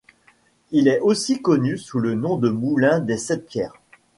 Il est aussi connu sous le nom de moulin des sept pierres.